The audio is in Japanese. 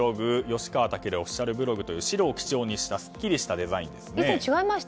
「吉川たけるオフィシャルブログ」という白を基調にしたすっきりしたデザインです。